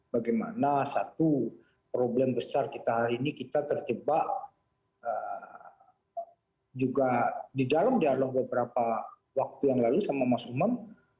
bagaimana satu problem besar kita hari ini kita terjebak juga di dalam dialog beberapa waktu yang lalu sama mas umam